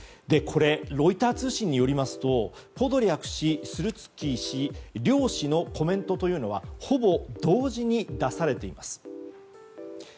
これ、ロイター通信によりますとポドリャク氏、スルツキー氏両氏のコメントというのはほぼ同時に出されています。